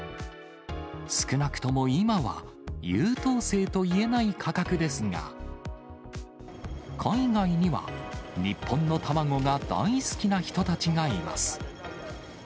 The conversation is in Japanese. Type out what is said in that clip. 少なくとも今は、優等生といえない価格ですが、海外には日本の卵が大好きな人たちがいます。